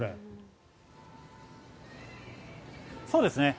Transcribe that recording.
そうですね。